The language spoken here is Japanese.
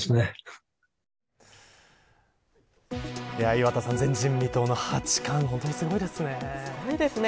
岩田さん、前人未踏の八冠ほんとにすごいですね。